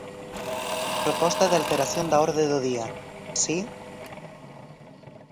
Proposta de alteración da orde do día ¿Si?